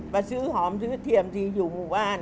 มาซื้อหอมซื้อเทียมที่อยู่หมู่บ้าน